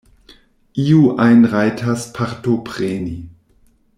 Iu ajn rajtas partopreni.